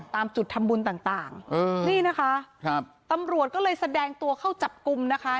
ตามจุดทำบุญต่างต่างนี่นะคะครับตำรวจก็เลยแสดงตัวเข้าจับกลุ่มนะคะ